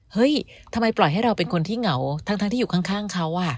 เฮ้ยทำไมปล่อยให้เราเป็นคนที่เหงาทั้งที่อยู่ข้างเขา